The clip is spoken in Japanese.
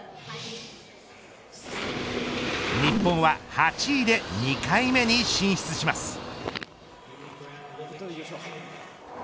日本は８位で２回目に進出します。